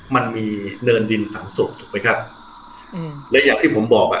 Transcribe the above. มันมีเนินดินฝังศพถูกไหมครับอืมและอย่างที่ผมบอกอ่ะ